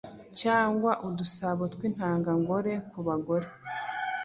cyangwa udusabo tw'intanga ngore ku bagore